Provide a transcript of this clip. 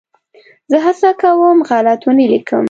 زه هڅه کوم غلط ونه ولیکم.